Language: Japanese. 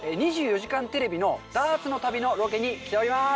『２４時間テレビ』のダーツの旅のロケに来ております。